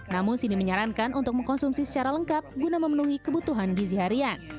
namun sini menyarankan untuk mengkonsumsi secara lengkap guna memenuhi kebutuhan gizi harian